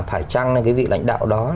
phải chăng cái vị lãnh đạo đó